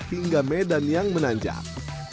hingga medan yang menanjang